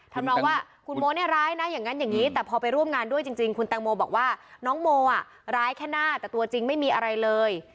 น้องว่าคุณโมเนี่ยร้ายนะอย่างนั้นอย่างนี้แต่พอไปร่วมงานด้วยจริงคุณแตงโมบอกว่าน้องโมอ่ะร้ายแค่หน้าแต่ตัวจริงไม่มีอะไรเลย